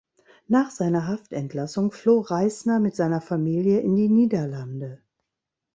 Nach seiner Haftentlassung floh Reißner mit seiner Familie in die Niederlande.